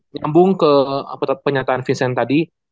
nyambung ke penyataan vincent tadi